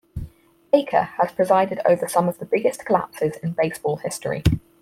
Baker has presided over some of the biggest collapses in baseball history.